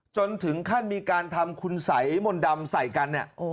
จนถึงขั้นมีการทำคุณสัยมนต์ดำใส่กันเนี่ย